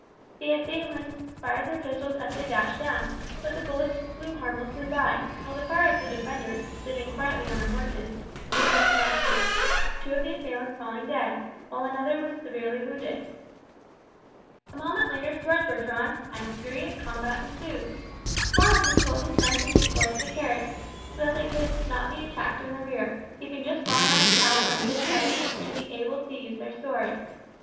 The assailants fired their pistols as they dashed down, but the bullets flew harmlessly by, while the fire of the defenders, sitting quietly on their horses, was more accurate, two of the assailants falling dead, while another was severely wounded. A moment later swords were drawn, and a furious combat ensued. Ronald had told his men to keep close to the carriage, so that they could not be attacked in the rear, keeping just far enough out on either side of him to be able to use their swords.